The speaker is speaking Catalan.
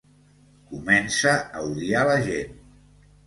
Comença a odiar la gent.